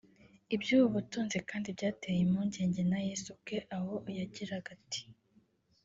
Iby’ubu butunzi kandi byateye impungenge na Yesu ubwe aho yagiraga ati